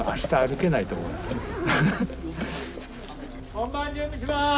本番準備します。